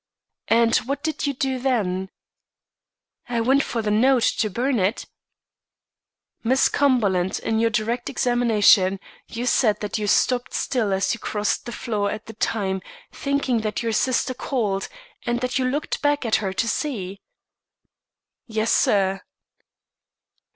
"And what did you do then?" "I went for the note, to burn it." "Miss Cumberland, in your direct examination, you said that you stopped still as you crossed the floor at the time, thinking that your sister called, and that you looked back at her to see." "Yes, sir."